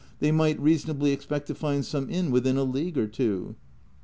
they might reasonably expect to find some inn within a league or two.